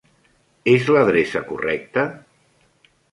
És l'adreça correcta?